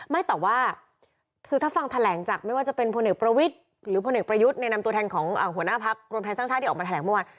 ไม่แต่ว่าคือถ้าฟังแถลงจากไม่ว่าจะเป็นพลเอกประวิทย์หรือพลเอกประยุทธ์ในนำตัวแทนของหัวหน้าพักรวมไทยสร้างชาติที่ออกมาแถลงเมื่อวาน